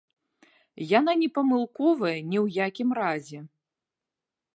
Яна не памылковая ні ў якім разе.